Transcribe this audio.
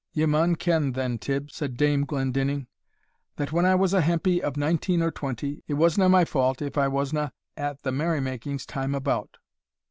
"Ye maun ken, then, Tibb," said Dame Glendinning, "that when I was a hempie of nineteen or twenty, it wasna my fault if I wasna at a' the merry makings time about."